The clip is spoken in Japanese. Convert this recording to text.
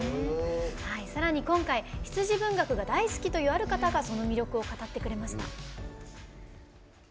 さらに今回、羊文学が大好きというある方がその魅力を語ってくれました。